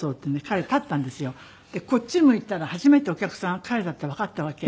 でこっち向いたら初めてお客さん彼だってわかったわけ。